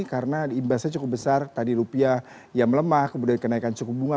karena imbasnya cukup besar tadi rupiah yang melemah kemudian kenaikan suku bunga